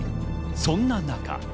そんな中。